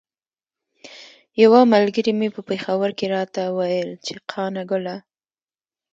یوه ملګري مې په پیښور کې راته ویل چې قانه ګله.